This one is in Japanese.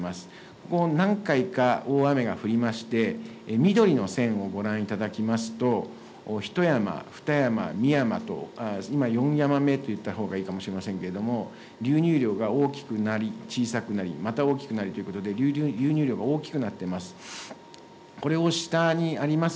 ここ何回か大雨が降りまして、緑の線をご覧いただきますと、ひと山、ふた山、み山と、今よん山目といったほうがいいかもしれませんけれども、流入量が大きくなり、小さくなり、また大きくなるということで、流入量が大きくなっています。